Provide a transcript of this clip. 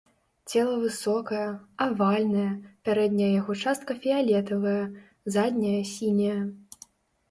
Цела высокае, авальнае, пярэдняя яго частка фіялетавая, задняя сіняя.